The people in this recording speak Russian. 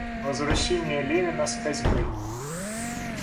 Возвращение Левина с косьбы.